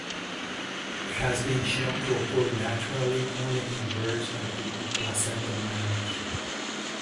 It has been shown to occur naturally only in birds and placental mammals.